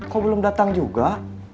kok belum datang juga